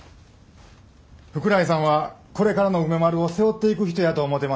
福来さんはこれからの梅丸を背負っていく人やと思うてます。